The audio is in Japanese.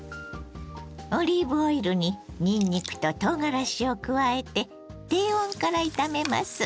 オリーブオイルににんにくととうがらしを加えて低温から炒めます。